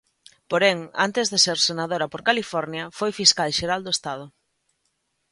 Porén, antes de ser senadora por California, foi fiscal xeral do Estado.